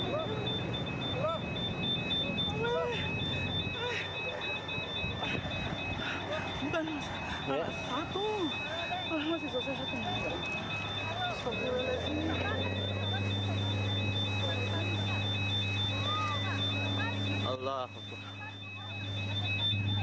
pesawat batik air terbakar di bandara halim perdana kusuma